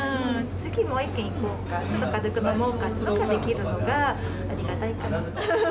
次もう１軒以降か、ちょっと軽く飲もうかってできるのが、ありがたいかな。